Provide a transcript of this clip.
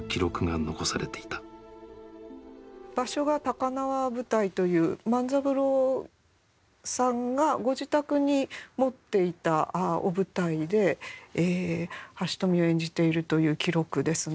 場所が高輪舞台という万三郎さんがご自宅に持っていたお舞台で「半蔀」を演じているという記録ですね。